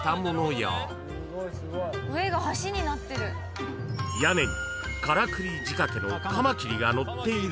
［屋根にからくり仕掛けのカマキリが乗っているものまで］